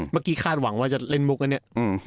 เมื่อกี้คาดหวังว่าจะเล่นมุกอันนี้